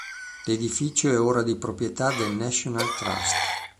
L'edificio è ora di proprietà del National Trust.